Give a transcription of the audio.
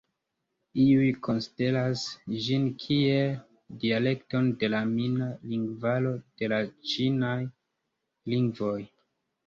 Iuj konsideras ĝin kiel dialekton de la mina lingvaro de la ĉinaj lingvoj.